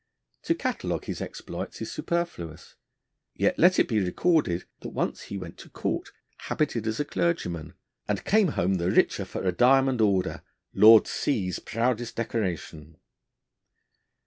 To catalogue his exploits is superfluous, yet let it be recorded that once he went to Court, habited as a clergyman, and came home the richer for a diamond order, Lord C 's proudest decoration.